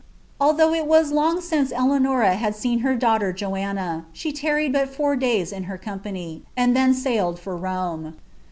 Although il was long since Eleiaon had seen her daughter Joanna, she (arried but four days in her compuf, and then sailed for Rome.